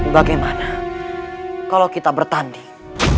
bagaimana kalau kita bertanding